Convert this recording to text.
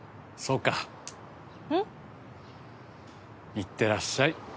いってらっしゃい。